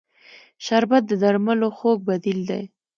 شربت د درملو خوږ بدیل دی